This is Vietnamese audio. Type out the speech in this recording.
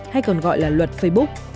hay còn gọi là luật facebook